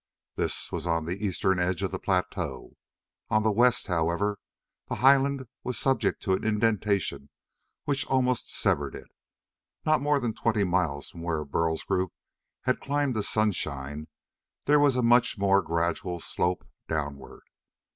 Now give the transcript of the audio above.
This was on the eastern edge of the plateau. On the west, however, the highland was subject to an indentation which almost severed it. No more than twenty miles from where Burl's group had climbed to sunshine, there was a much more gradual slope downward.